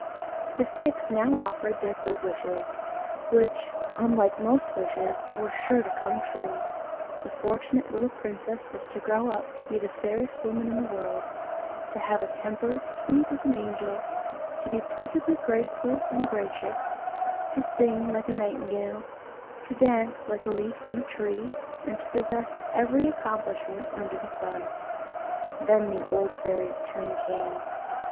The six now offered their good wishes which, unlike most wishes, were sure to come true. The fortunate little princess was to grow up the fairest woman in the world; to have a temper sweet as an angel; to be perfectly graceful and gracious; to sing like a nightingale; to dance like a leaf on a tree; and to possess every accomplishment under the sun. Then the old fairy's turn came.